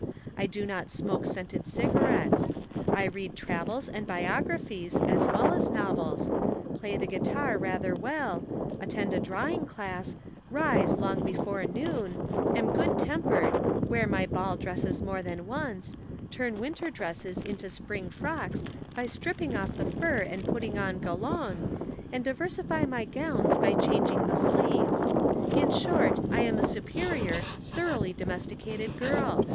I do not smoke scented cigarettes. I read travels and biographies as well as novels, play the guitar rather well, attend a Drawing Class, rise long before noon, am good tempered, wear my ball dresses more than once, turn winter dresses into spring frocks by stripping off the fur and putting on galon, and diversify my gowns by changing the sleeves. In short, I am a superior, thoroughly domesticated girl.